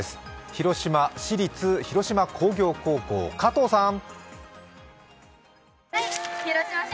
広島市立広島工業高校、加藤さん。